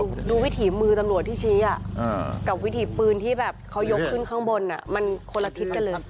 ดูวิถีมือตำรวจที่ชี้กับวิถีปืนที่แบบเขายกขึ้นข้างบนมันคนละทิศกันเลย